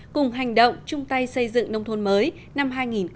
cùng hành động trung tây xây dựng nông thôn mới năm hai nghìn một mươi bảy